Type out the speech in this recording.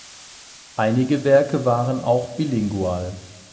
Einige Werke waren auch bilingual.